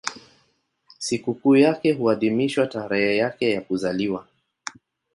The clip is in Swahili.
Sikukuu yake huadhimishwa tarehe yake ya kuzaliwa.